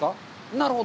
なるほど。